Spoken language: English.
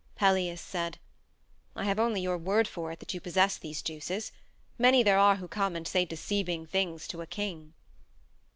Pelias said: "I have only your word for it that you possess these juices. Many there are who come and say deceiving things to a king."